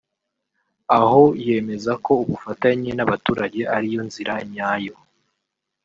aho yemeza ko ubufatanye n’abaturage ariyo nzira nyayo